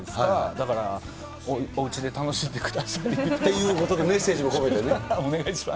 だから、おうちで楽しんでくださっていうことで、メッセージお願いします。